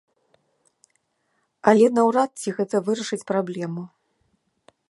Але наўрад ці гэта вырашыць праблему.